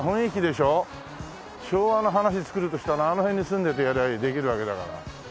昭和の話作るとしたらあの辺に住んでてやりゃあできるわけだから。